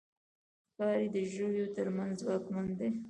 ښکاري د ژويو تر منځ ځواکمن دی.